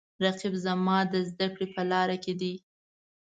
رقیب زما د زده کړې په لاره کې دی